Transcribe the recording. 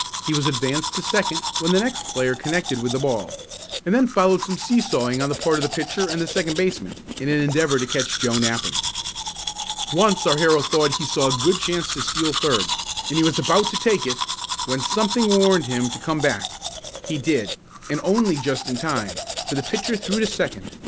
He was advanced to second when the next player connected with the ball, and then followed some see sawing on the part of the pitcher and the second baseman, in an endeavor to catch Joe napping. Once our hero thought he saw a good chance to steal third and he was about to take it when something warned him to come back. He did, and only just in time, for the pitcher threw to second.